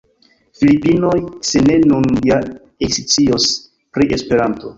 Filipinoj, se ne nun, ja ekscios pri Esperanto.